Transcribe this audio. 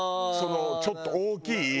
そのちょっと大きい。